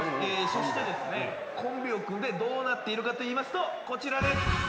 そしてですねコンビを組んでどうなっているかといいますとこちらです。